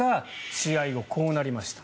試合後、こうなりました。